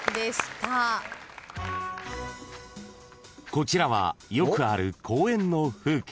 ［こちらはよくある公園の風景］